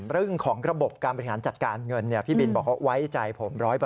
เรื่องของระบบการบริหารจัดการเงินพี่บินบอกว่าไว้ใจผม๑๐๐